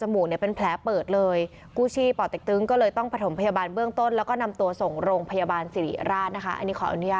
ไม่ได้รับปากเจ็บอะไร